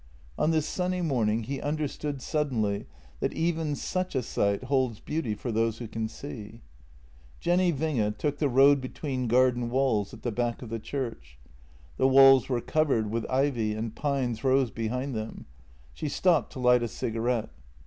On this sunny morning he understood suddenly that even such a sight holds beauty for those who can see. Jenny Winge took the road between garden walls at the back of the church. The walls were covered with ivy, and pines rose behind them. She stopped to light a cigarette.